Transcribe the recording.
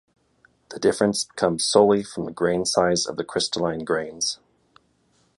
The difference comes solely from the grain size of the crystalline grains.